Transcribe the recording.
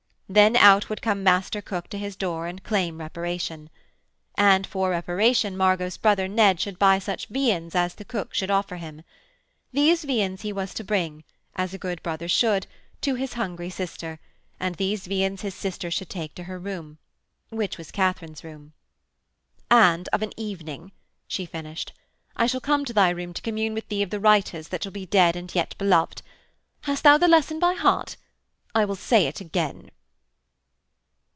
Then out would come master cook to his door and claim reparation. And for reparation Margot's brother Ned should buy such viands as the cook should offer him. These viands he was to bring, as a good brother should, to his hungry sister, and these viands his sister should take to her room which was Katharine's room. 'And, of an evening,' she finished, 'I shall come to thy room to commune with thee of the writers that be dead and yet beloved. Hast thou the lesson by heart? I will say it again.'